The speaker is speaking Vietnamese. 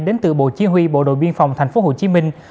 đến từ bộ chỉ huy bộ đội biên phòng thành phố hồ chí minh